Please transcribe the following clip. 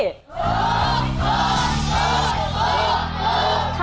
ห้องตรวจโรค